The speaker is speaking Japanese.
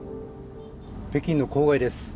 北京の郊外です。